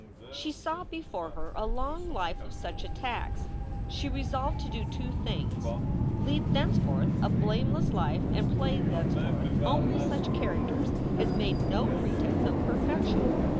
She saw before her a long life of such attacks. She resolved to do two things lead thenceforth a blameless life and play thenceforth only such characters as made no pretense of perfection.